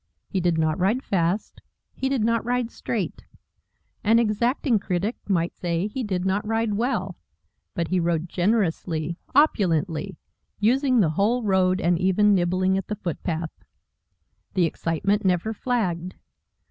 He did not ride fast, he did not ride straight, an exacting critic might say he did not ride well but he rode generously, opulently, using the whole road and even nibbling at the footpath. The excitement never flagged.